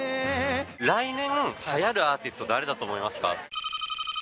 来年流行るアーティスト誰だと思いますか？